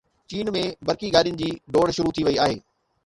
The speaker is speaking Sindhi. چين ۾ برقي گاڏين جي ڊوڙ شروع ٿي وئي آهي